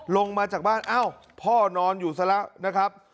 ลงมาจากบ้านอ้าวพ่อนอนอยู่ซะแล้วนะครับ